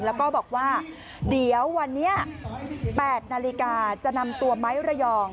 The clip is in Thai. แล้วก็บอกว่าเดี๋ยววันนี้๘นาฬิกาจะนำตัวไม้ระยอง